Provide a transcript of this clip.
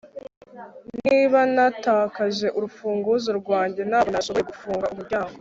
Niba natakaje urufunguzo rwanjye ntabwo nashoboye gufunga umuryango